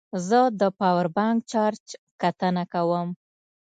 زه د پاور بانک چارج کتنه کوم.